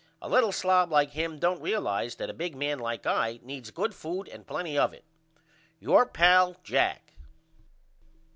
A little slob like him don't realize that a big man like I needs good food and plenty of it. Your pal, JACK.